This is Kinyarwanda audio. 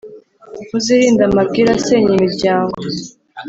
muzirinde amabwire asenya imiryangooo